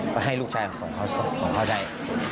ไปให้ลูกชายของเขาใจ